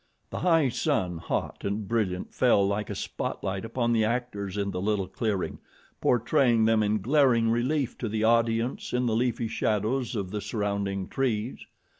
The high sun, hot and brilliant, fell like a spotlight upon the actors in the little clearing, portraying them in glaring relief to the audience in the leafy shadows of the surrounding trees.